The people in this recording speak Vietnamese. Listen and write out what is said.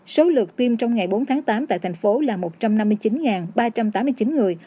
số lượt tiêm trong ngày bốn tháng tám tại thành phố là một trăm năm mươi chín ba trăm tám mươi chín người